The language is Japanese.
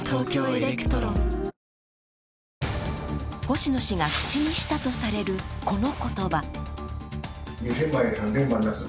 星野氏が口にしたとされるこの言葉。